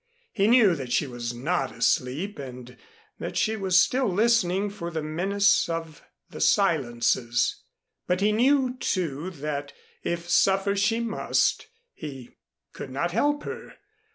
He knew that she was not asleep and that she was still listening for the menace of the silences; but he knew, too, that if suffer she must, he could not help her.